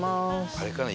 あれかな？